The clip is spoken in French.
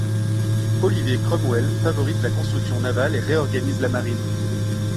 Olivier Cromwell favorise la construction navale et réorganise la marine.